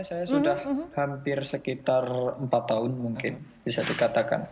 saya sudah hampir sekitar empat tahun mungkin bisa dikatakan